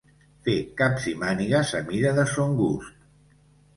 Fer caps i mànigues a mida de son gust.